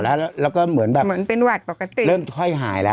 แล้วก็เหมือนก็ค่อยหายแล้ว